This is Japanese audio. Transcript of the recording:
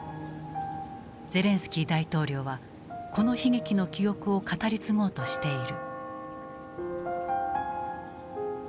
ゼレンスキー大統領はこの悲劇の記憶を語り継ごうとしている。